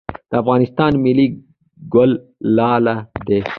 د افغانستان ملي ګل لاله دی